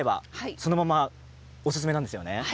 そのままがおすすめなんですね。